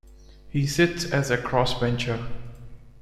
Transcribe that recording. He sits as a crossbencher.